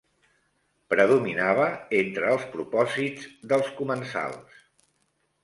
Predominava entre els propòsits dels comensals.